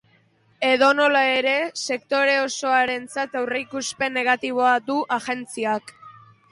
Edonola ere, sektore osoarentzat aurreikuspen negatiboa du agentziak.